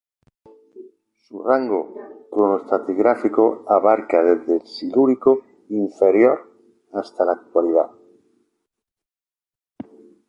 Su rango cronoestratigráfico abarca desde el Silúrico inferior hasta la Actualidad.